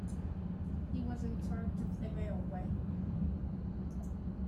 He was in charge of the railway.